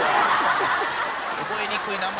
覚えにくい名前。